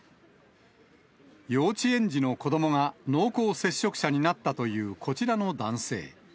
幼稚園児の子どもが濃厚接触者になったというこちらの男性。